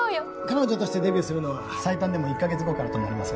彼女としてデビューするのは最短でも１か月後からとなりますが。